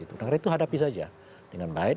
karena itu hadapi saja dengan baik